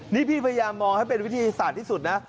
นี่พี่พยายามมองให้เป็นวิทยาศาสตร์ที่สุดนะ